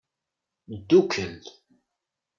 Ddukel.